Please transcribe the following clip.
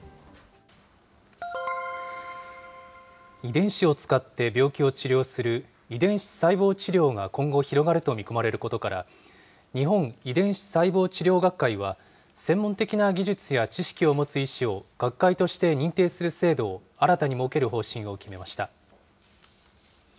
遺伝子を使って病気を治療する、遺伝子細胞治療が今後広がると見込まれることから、日本遺伝子細胞治療学会は、専門的な技術や知識を持つ医師を、学会として認定する制度を新たに設ける方針を決めました。